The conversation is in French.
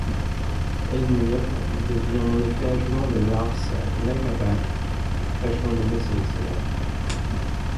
Heimir devient en effet adjoint de Lars Lagerbäck, fraîchement nommé sélectionneur.